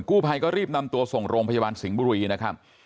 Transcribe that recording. กู้ภัยก็รีบนำตัวส่งโรงพยาบาลสิงห์บุรีนะครับ